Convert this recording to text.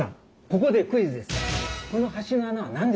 ここでクイズです。